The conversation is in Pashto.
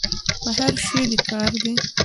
په هر شي دي کار دی.